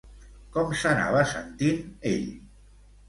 Com s'anava sentint ell?